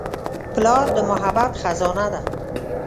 پلار د محبت خزانه ده.